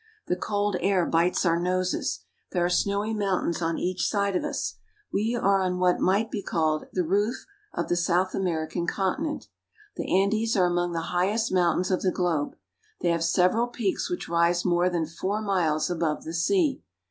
The cold air bites our noses. There are snowy mountains on each side of us. We are on what might be called the roof of the South American conti ON THE ROOF OF SOUTH AMERICA. 73 nent. The Andes are among the highest mountains of the globe. They have several peaks which rise more than four miles above the sea.